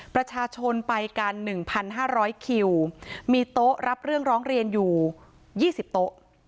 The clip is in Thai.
ประชาชนไปกันหนึ่งพันห้าร้อยคิวมีโต๊ะรับเรื่องร้องเรียนอยู่ยี่สิบโต๊ะ